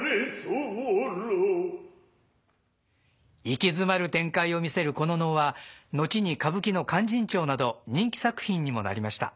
息詰まる展開を見せるこの能は後に歌舞伎の「勧進帳」など人気作品にもなりました。